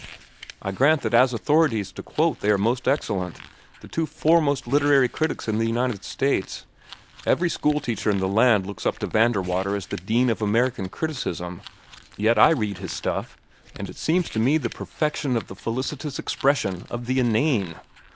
"I grant that as authorities to quote they are most excellent—the two foremost literary critics in the United States. Every school teacher in the land looks up to Vanderwater as the Dean of American criticism. Yet I read his stuff, and it seems to me the perfection of the felicitous expression of the inane.